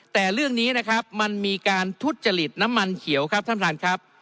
แต่เรื่องนี้นะครับมันมีการทุจริตน้ำมันเขียวครับท่านประธานครับ